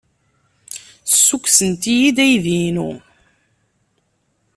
Ssukksent-iyi-d aydi-inu.